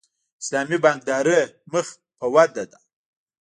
اسلامي بانکداري مخ په ودې ده